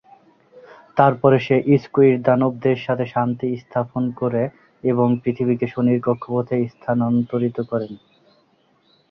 তারপরে সে স্কুইড দানবদের সাথে শান্তি স্থাপন করে এবং পৃথিবীকে শনির কক্ষপথে স্থানান্তরিত করেন।